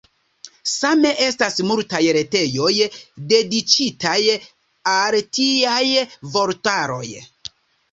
Same estas multaj retejoj dediĉitaj al tiaj vortaroj.